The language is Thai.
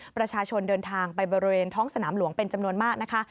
ประชาชนเดินทางไปบริเวณท้องสนามหลวงเป็นจำนวนมากนะคะ